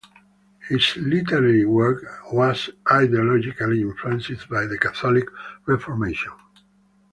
His literary work was ideologically influenced by the Catholic Reformation.